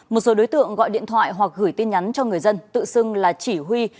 một số đối tượng gọi điện thoại hoặc gửi tin nhắn cho người dân tự xưng là chỉ huy